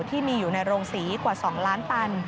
ที่มีอยู่ในโรงศรีกว่า๒ล้านตัน